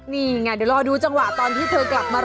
นี่ไงเดี๋ยวรอดูจังหวะตอนที่เธอกลับมา